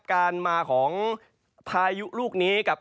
การมาของพายุลูกนี้กับ